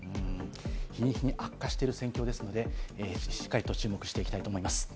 日に日に悪化している戦況ですので、しっかりと注目していきたいと思います。